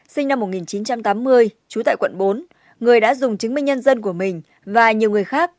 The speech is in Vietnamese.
sinh năm một nghìn chín trăm tám mươi trú tại quận bốn người đã dùng chứng minh nhân dân của mình và nhiều người khác